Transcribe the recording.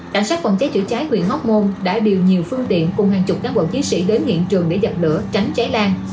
cảnh sát quận cháy chứa cháy huyện hốc môn đã điều nhiều phương tiện cùng hàng chục các quận chí sĩ đến hiện trường để giặt lửa tránh cháy lan